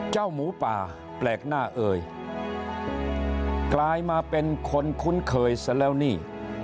หมูป่าแปลกหน้าเอยกลายมาเป็นคนคุ้นเคยซะแล้วนี่